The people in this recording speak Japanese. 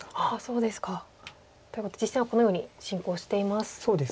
そうですか。ということで実戦はこのように進行しています。